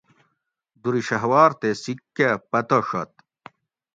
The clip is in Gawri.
دُر شھوار تے سیکھ کہ پھتہ ڛت